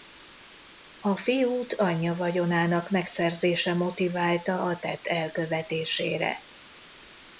A fiút anyja vagyonának megszerzése motiválta a tett elkövetésére.